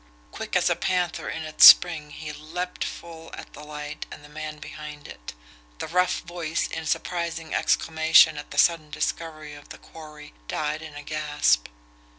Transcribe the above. Quick as a panther in its spring, he leaped full at the light and the man behind it. The rough voice, in surprised exclamation at the sudden discovery of the quarry, died in a gasp.